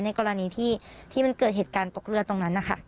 กรณีที่มันเกิดเหตุการณ์ตกเลือดตรงนั้นนะคะ